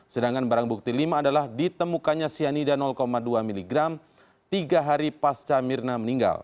sedangkan barang bukti lima adalah ditemukannya cyanida dua miligram tiga hari pasca mirna meninggal